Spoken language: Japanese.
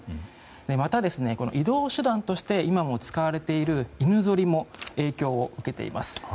また、移動手段として今も使われている犬ぞりも影響を受けています。